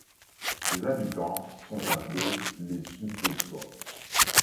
Ses habitants sont appelés les Soupexois.